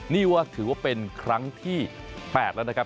นี่ว่าถือว่าเป็นครั้งที่๘แล้วนะครับ